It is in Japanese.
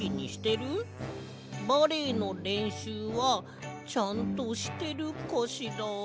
バレエのれんしゅうはちゃんとしてるかしら？」。